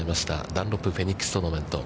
ダンロップフェニックストーナメント。